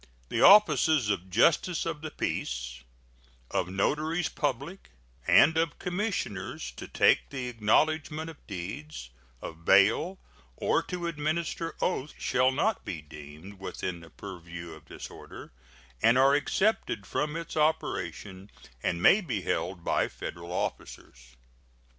The offices of justices of the peace, of notaries public, and of commissioners to take the acknowledgment of deeds, of bail, or to administer oaths shall not be deemed within the purview of this order, and are excepted from its operation and may be held by Federal officers.